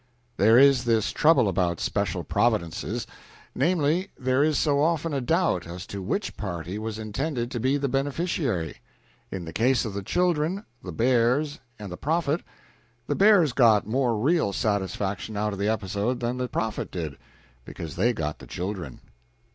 There is this trouble about special providences namely, there is so often a doubt as to which party was intended to be the beneficiary. In the case of the children, the bears and the prophet, the bears got more real satisfaction out of the episode than the prophet did, because they got the children.